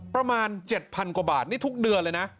ประมาณ๗๐๐กว่าบาทนี่ทุกเดือนเลยนะ